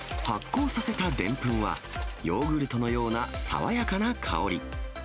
発酵させたでんぷんは、ヨーグルトのような爽やかな香り。